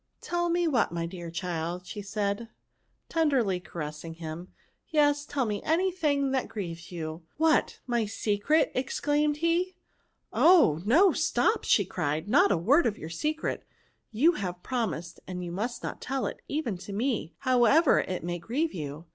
" Tell me what, my dear child ?" said she, tenderly caressing him ;" yes ; tell me any thing that grieves you." " What ! my secret ?" exclaimed he. " Oh ! no, stop," she cried, " not a word of your secret ; you have promised, and must not tell it, even to me, however it may grieve you."